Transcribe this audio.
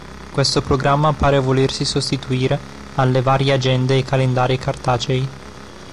Questo programma pare volersi sostituire alle varie agende e calendari cartacei.